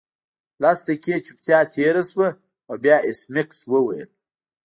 لس دقیقې چوپتیا تیره شوه او بیا ایس میکس وویل